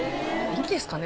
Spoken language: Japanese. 「いいんですかね」